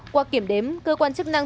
qua kiểm đếm cơ quan chức năng